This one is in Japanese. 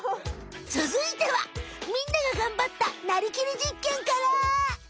つづいてはみんなが頑張ったなりきりじっけんから！